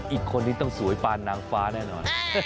อีกคนนึงต้องสวยปานนางฟ้าแน่นอน